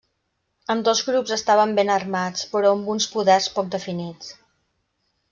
Ambdós grups estaven ben armats, però amb uns poders poc definits.